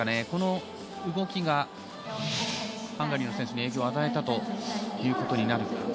この動きがハンガリーの選手に影響を与えたということになるか。